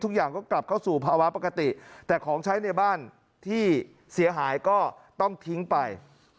ทุกอย่างก็กลับเข้าสู่ภาวะปกติแต่ของใช้ในบ้านที่เสียหายก็ต้องทิ้งไป